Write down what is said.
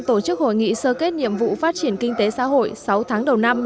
tổ chức hội nghị sơ kết nhiệm vụ phát triển kinh tế xã hội sáu tháng đầu năm